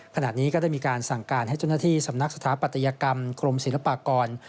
ขณะนี้ก็ได้มีการสั่งการให้เจ้าหน้าที่สำนักสถาปัตยกรรมกรมศิลปากร